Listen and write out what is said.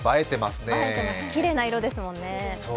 きれいな色ですもんね。